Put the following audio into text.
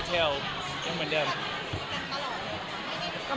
ที่ปรับแมนอากาศ